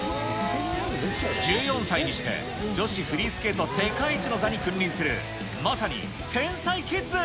１４歳にして、女子フリースケート世界一の座に君臨する、まさに天才キッズ。